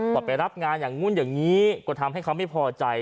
ไปรับงานอย่างนู้นอย่างนี้ก็ทำให้เขาไม่พอใจ